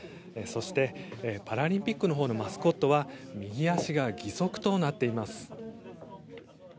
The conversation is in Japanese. そして、パラリンピックのほうのマスコットは右足が義足となっています。